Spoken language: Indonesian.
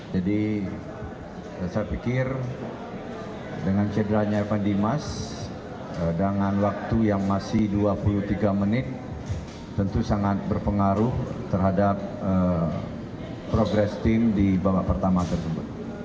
jadi saya pikir dengan cederanya evan dimas dengan waktu yang masih dua puluh tiga menit tentu sangat berpengaruh terhadap progres tim di babak pertama tersebut